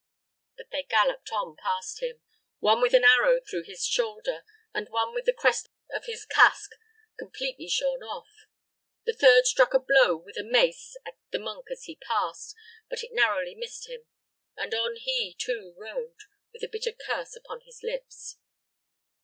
But they galloped on past him, one with an arrow through his shoulder, and one with the crest of his casque completely shorn off. The third struck a blow with a mace at the monk as he passed, but it narrowly missed him; and on he too rode, with a bitter curse upon his lips.